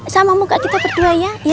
sama muka kita berdua ya